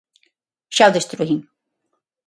Xa o destruín.